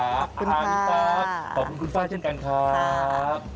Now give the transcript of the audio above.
ขอบคุณคุณฟ้ายขอบคุณคุณฟ้ายเช่นกันครับ